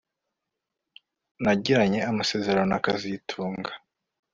Nagiranye amasezerano na kazitunga